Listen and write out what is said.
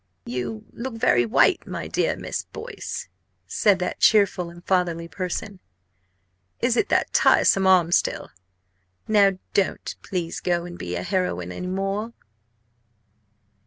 "You look very white, my dear Miss Boyce," said that cheerful and fatherly person. "Is it that tiresome arm still? Now, don't please go and be a heroine any more!"